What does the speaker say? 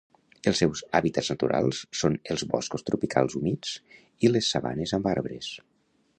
Els seus hàbitats naturals són els boscos tropicals humits i les sabanes amb arbres.